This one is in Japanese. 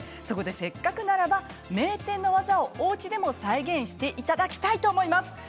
そこでせっかくならば名店の技をおうちでも再現していただきたいと思います。